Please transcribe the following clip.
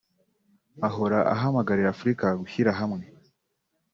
ahora ahamagarira Afurika gushyira hamwe